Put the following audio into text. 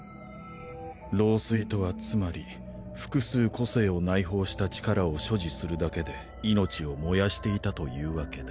老衰とはつまり複数個性を内包した力を所持するだけで命を燃やしていたというわけだ。